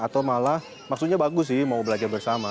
atau malah maksudnya bagus sih mau belajar bersama